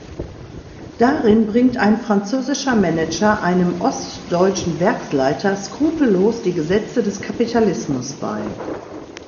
Darin bringt ein französischer Manager einem ostdeutschen Werksleiter skrupellos die Gesetze des Kapitalismus bei.